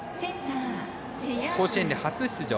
甲子園初出場。